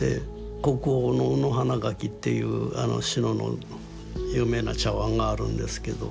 国宝の「卯花墻」っていう志野の有名な茶碗があるんですけど。